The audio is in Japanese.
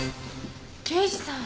刑事さん！？